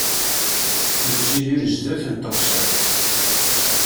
Nettiddir zdat n teɣsert.